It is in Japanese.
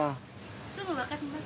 すぐわかります。